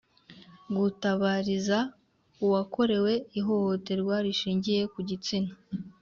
gutabariza uwakorewe ihohoterwa rishingiye ku gitsina